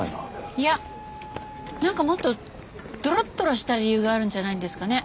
いやなんかもっとドロドロした理由があるんじゃないんですかね。